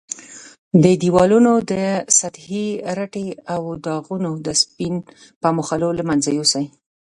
د دېوالونو د سطحې رټې او داغونه د سپین په مښلو له منځه یوسئ.